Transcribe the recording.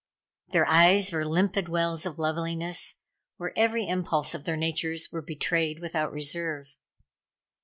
Their eyes were limpid wells of loveliness, where every impulse of their natures were betrayed without reserve.